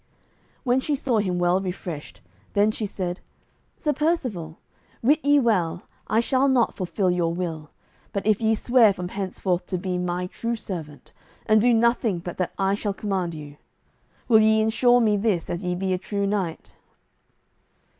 When she saw him well refreshed, then she said, "Sir Percivale, wit ye well, I shall not fulfil your will, but if ye swear from henceforth to be my true servant, and do nothing but that I shall command you. Will ye ensure me this as ye be a true knight?"